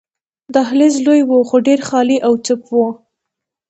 دهلېز لوی وو، خو ډېر خالي او چوپ وو.